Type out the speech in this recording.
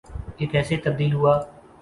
یہ کیسے تبدیل ہوں۔